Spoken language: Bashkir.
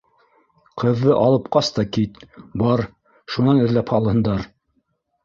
Ҡыҙҙы алып ҡас та кит. Бар, шунан эҙләп алһындар!